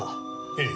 ええ。